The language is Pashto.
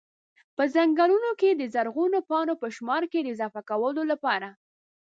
په ځنګلونو کي د زرغونو پاڼو په شمار کي د اضافه کولو لپاره